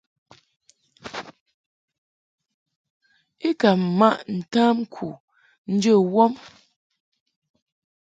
I ka maʼ ntamku njə wɔm.